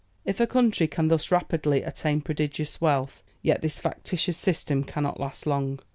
If a country can thus rapidly attain prodigious wealth, yet this factitious system cannot last long.